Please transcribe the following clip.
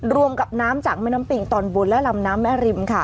รวมกับน้ำจากแม่น้ำปิงตอนบนและลำน้ำแม่ริมค่ะ